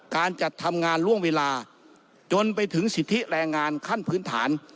การจัดทำงานล่วงเวลาจนไปถึงสิทธิแรงงานขั้นพื้นฐาน